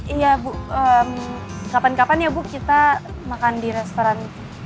iya bu kapan kapan ya bu kita makan di restoran